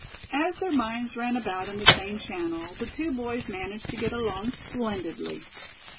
As their minds ran about in the same channel the two boys managed to get along splendidly.